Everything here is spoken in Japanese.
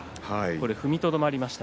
踏みとどまりました。